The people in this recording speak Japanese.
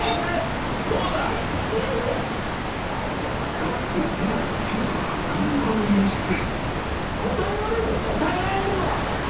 『ザワつく！』『ミラクル』『Ｑ さま！！』が互いの番組に出演